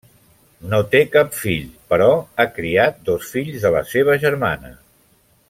No té cap fill, però ha criat dos fills de la seva germana.